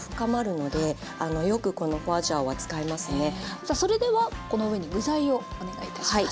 さあそれではこの上に具材をお願いいたします。